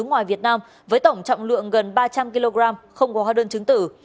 ngoài việt nam với tổng trọng lượng gần ba trăm linh kg không có hóa đơn chứng tử